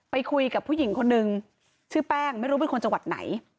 ไปคุยกับผู้หญิงคนนึงชื่อแป้งไม่รู้เป็นคนจังหวัดไหน